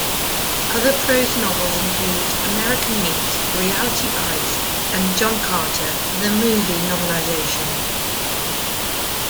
Other prose novels include "American Meat", "Reality Bites", and "John Carter: The Movie Novelization".